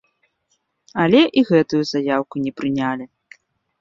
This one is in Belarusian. Але і гэтую заяўку не прынялі.